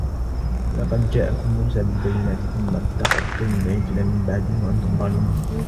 وَلَقَدْ جَاءَكُمْ مُوسَى بِالْبَيِّنَاتِ ثُمَّ اتَّخَذْتُمُ الْعِجْلَ مِنْ بَعْدِهِ وَأَنْتُمْ ظَالِمُونَ